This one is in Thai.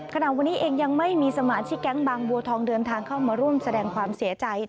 ขณะนี้เองยังไม่มีสมาชิกแก๊งบางบัวทองเดินทางเข้ามาร่วมแสดงความเสียใจ